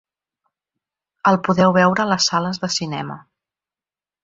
El podeu veure a les sales de cinema.